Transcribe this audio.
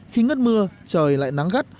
khi ngất mưa trời lại nắng gắt